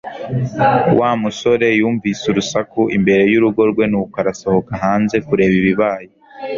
Wa musore yumvise urusaku imbere y'urugo rwe, nuko asohoka hanze kureba ibibaye